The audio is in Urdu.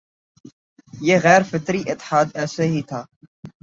یہ غیر فطری اتحاد ایسے ہی تھا